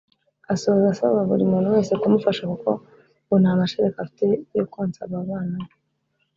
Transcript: Asoza asaba buri muntu wese kumufasha kuko ngo nta mashereka afite yo konsa aba bana be